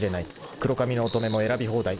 ［黒髪の乙女も選び放題。